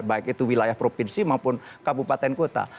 baik itu wilayah provinsi maupun kabupaten kota